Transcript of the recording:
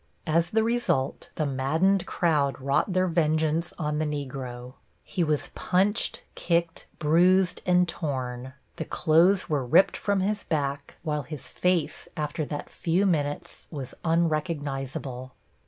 As the result, the maddened crowd wrought their vengeance on the Negro. He was punched, kicked, bruised and torn. The clothes were ripped from his back, while his face after that few minutes was unrecognizable.